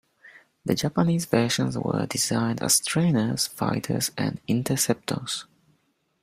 The Japanese versions were designed as trainers, fighters, and interceptors.